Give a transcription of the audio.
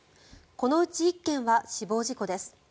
このうち１件は死亡事故です。